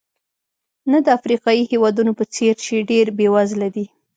نه د افریقایي هېوادونو په څېر چې ډېر بېوزله دي.